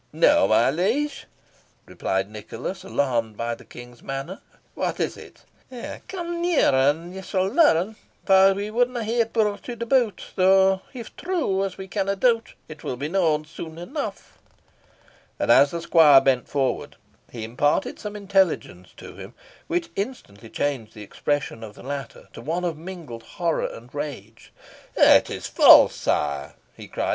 "No, my liege," replied Nicholas, alarmed by the King's manner; "what is it?" "Come nearer, and ye shall learn," replied James; "for we wadna hae it bruited abroad, though if true, as we canna doubt, it will be known soon enough." And as the squire bent forward, he imparted some intelligence to him, which instantly changed the expression of the latter to one of mingled horror and rage. "It is false, sire!" he cried.